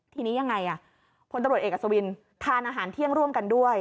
ทีนี้ยังไงอ่ะคนตรวจเอกกับสวินทร์ทานอาหารเที่ยงร่วมกันด้วย